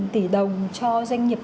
một mươi sáu tỷ đồng cho doanh nghiệp